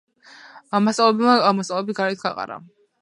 მასწავლებელმა მოსწავლეები გარეთ გაყარა.